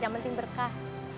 yang penting berkah